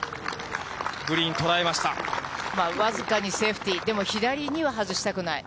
僅かにセーフティー、でも左には外したくない。